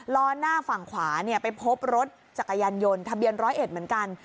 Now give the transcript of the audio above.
ล้อหน้าฝั่งขวาไปพบรถจักรยานยนต์ทะเบียนร้อยเอ็ดเหมือนกัน